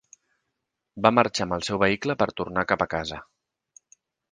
Va marxar amb el seu vehicle per tornar cap a casa.